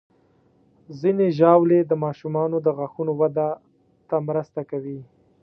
ځینې ژاولې د ماشومانو د غاښونو وده ته مرسته کوي.